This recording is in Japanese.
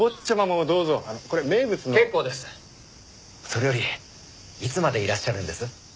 それよりいつまでいらっしゃるんです？